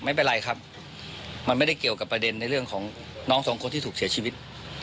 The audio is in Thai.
ไม่เป็นไรครับมันไม่ได้เกี่ยวกับประเด็นในเรื่องของน้องสองคนที่ถูกเสียชีวิต